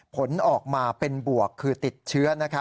ผลออกมาเป็นบวกคือติดเชื้อ